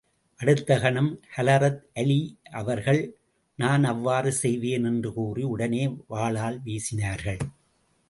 அடுத்த கணம் ஹலரத் அலீ அவர்கள், நான் அவ்வாறு செய்வேன்! என்று கூறி, உடனே வாளால் வீசினார்கள்.